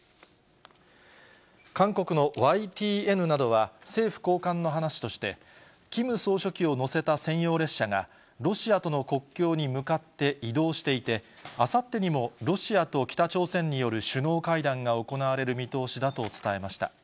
韓国のＹＴＮなどは、政府高官の話として、キム総書記を乗せた専用列車が、ロシアとの国境に向かって移動していて、あさってにもロシアと北朝鮮による首脳会談が行われる見通しだと伝えました。